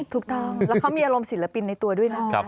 ถูกต้องแล้วเขามีอารมณ์ศิลปินในตัวด้วยนะ